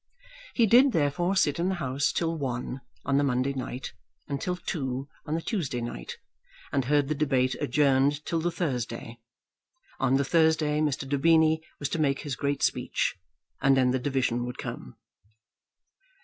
He did, therefore, sit in the House till one on the Monday night, and till two on the Tuesday night, and heard the debate adjourned till the Thursday. On the Thursday Mr. Daubeny was to make his great speech, and then the division would come.